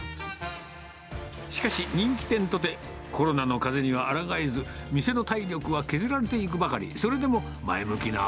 しかし、人気店とて、コロナの風にはあらがえず、店の体力は削られていくばかり。